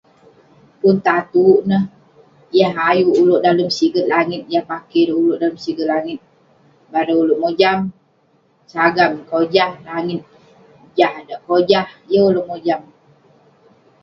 Pun tatuk neh, yah ayuk ulouk dalem siget langit, yah pakey ulouk dalem siget langit, bareng ulouk mojam..sagam, kojah..langit jah dak, kojah..yeng ulouk mojam..